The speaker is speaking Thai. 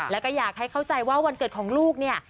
แล้วก็อยากให้เข้าใจว่าวันเกิดของลูกเนี่ย